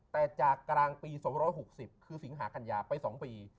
แต่จากกลางปี๒๖๐คือสิงหากัญญาไป๒ปี